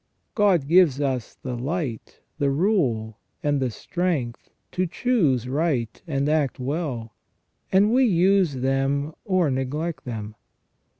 God gives us the light, the rule, and the strength to choose right and act well, and we use them or neglect them.